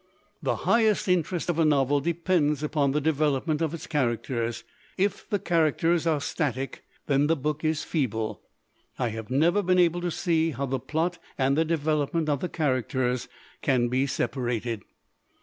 "The highest interest of a novel depends upon 138 COMMERCIALIZING the development of its characters. If the char acters are static, then the book is feeble. I have never been able to see how the plot and the de velopment of the characters can be separated.